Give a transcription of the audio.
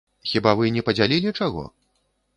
Хіба вы не падзялілі чаго?